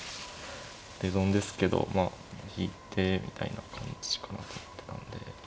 手損ですけどまあ引いてみたいな感じかなと思ってたんで。